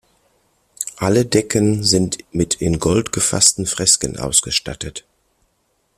Alle Decken sind mit in Gold gefassten Fresken ausgestattet.